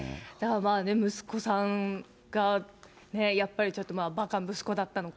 息子さんがやっぱりちょっと、ばか息子だったのか。